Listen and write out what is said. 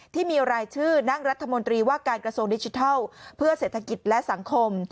ที่มีรายชื่อนั่งรัฐมนตรีว่าการกระทรวงดิจิทัลเพื่อเศรษฐกิจและสังคม